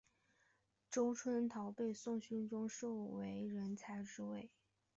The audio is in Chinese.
周春桃被宋徽宗授为才人之位。